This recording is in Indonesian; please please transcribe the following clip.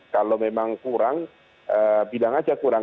kalau memang kurang bilang aja kurang